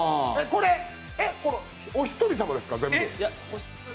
これ、お一人様ですか？